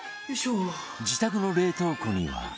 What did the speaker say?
自宅の冷凍庫には